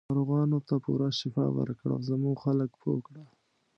ناروغانو ته پوره شفا ورکړه او زموږ خلک پوه کړه.